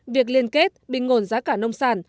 việc liên kết bình ngồn giá cả nông sản